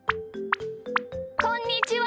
こんにちは。